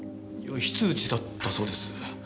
非通知だったそうです。